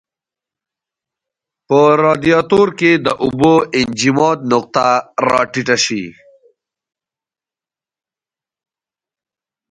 په رادیاتور کې د اوبو د انجماد نقطه را ټیټه شي.